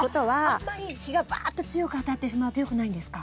あんまり日がバーッて強く当たってしまうと良くないんですか？